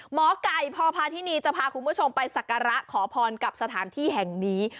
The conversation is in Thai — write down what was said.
หมอไก่พพาธินีจะพาคุณผู้ชมไปสักการะขอพรกับสถานที่แห่งนี้